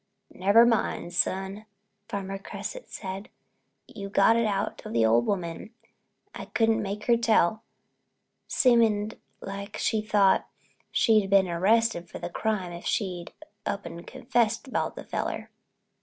"Never mind, son," Farmer Cresset said, "you got it out of the old woman. I couldn't make her tell; seemed like she thought she'd be arrested for the crime if she up and confessed about that feller."